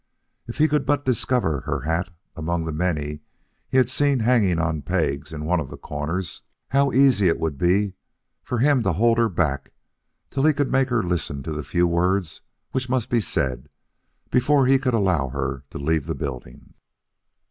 If he could but discover her hat among the many he had seen hanging on pegs in one of the corners, how easy it would be for him to hold her back till he could make her listen to the few words which must be said before he could allow her to leave the building.